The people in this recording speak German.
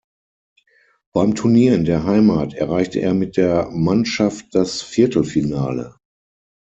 Beim Turnier in der Heimat erreichte er mit der Mannschaft das Viertelfinale.